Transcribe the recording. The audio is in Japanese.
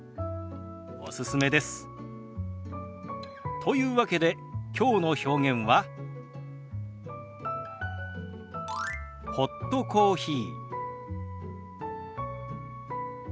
というわけできょうの表現は「ホットコーヒー」。